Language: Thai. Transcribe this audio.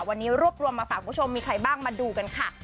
วันนี้รวบรวมมาฝากคุณผู้ชมมีใครบ้างมาดูกันค่ะ